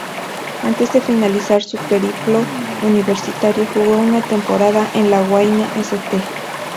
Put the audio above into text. Antes de finalizar su periplo universitario jugó una temporada en la Wayne St.